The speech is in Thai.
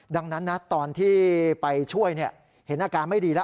ดังนั้นนะตอนที่ไปช่วยเห็นอาการไม่ดีแล้ว